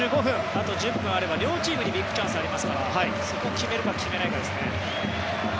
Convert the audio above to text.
あと１０分あれば両チームにビッグチャンスがありますからそこを決めるか決めないかですね。